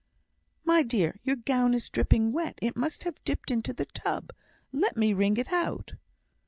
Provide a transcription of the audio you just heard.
"My dear! your gown is dripping wet! it must have dipped into the tub; let me wring it out."